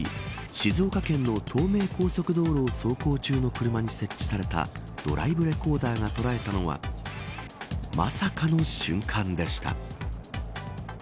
静岡県の東名高速道路を走行中の車に設置されたドライブレコーダーが捉えたのはまさかの瞬間でした。